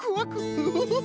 フフフフ。